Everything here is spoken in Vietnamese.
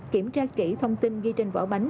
kiểm tra kỹ thông tin ghi trên vỏ bánh